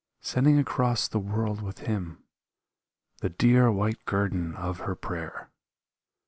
Sending across the world with him The dear, white guerdon of her prayer.